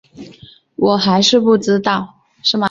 我还是不知道